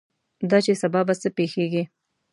دا چې سبا به څه پېښېږي.